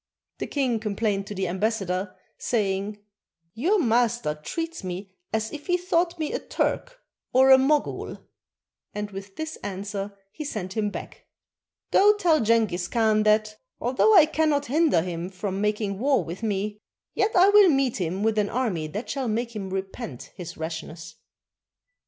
The king complained to the ambassador, saying, "Your master treats me as if he thought me a Turk or a Mogul," and with this answer he sent him back, "Go tell Jenghiz Khan that, although I cannot hinder him from making war with me, yet I will meet him with an army that shall make him repent his rashness."